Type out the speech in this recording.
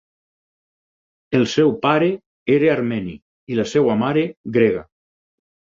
El seu pare era armeni i la seva mare, grega.